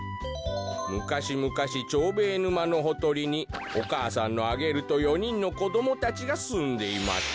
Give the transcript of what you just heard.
「むかしむかしチョーベーぬまのほとりにおかあさんのアゲルと４にんのこどもたちがすんでいました」。